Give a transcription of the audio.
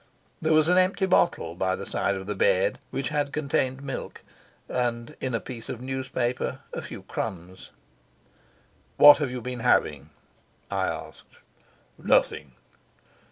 There was an empty bottle by the side of the bed, which had contained milk, and in a piece of newspaper a few crumbs. "What have you been having?" I asked. "Nothing."